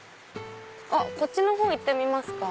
こっちのほう行ってみますか。